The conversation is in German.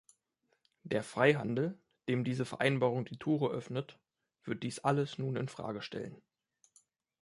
Der Freihandel, dem diese Vereinbarung die Tore öffnet, wird dies alles nun infrage stellen.